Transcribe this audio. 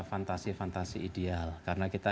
fantasi fantasi ideal karena kita